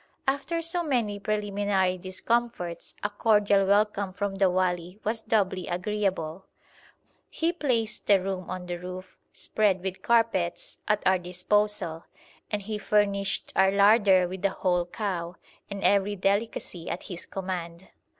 After so many preliminary discomforts a cordial welcome from the wali was doubly agreeable. He placed a room on the roof, spread with carpets, at our disposal, and he furnished our larder with a whole cow, and every delicacy at his command.